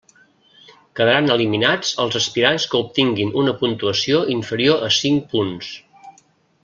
Quedaran eliminats els aspirants que obtinguin una puntuació inferior a cinc punts.